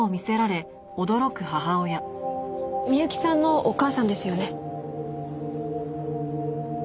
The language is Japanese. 美幸さんのお母さんですよね？